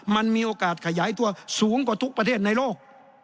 มันมีโอกาสขยายตัวสูงกว่าทุกประเทศในโลก